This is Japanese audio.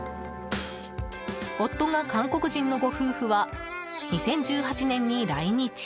夫が韓国人のご夫婦は２０１８年に来日。